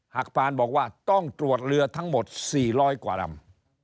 พานบอกว่าต้องตรวจเรือทั้งหมด๔๐๐กว่าลำ